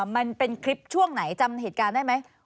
มันเป็นคลิปช่วงไหนจำเหตุการณ์ได้ไหม